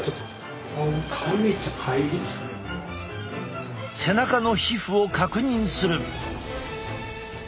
背中の皮膚を確認する。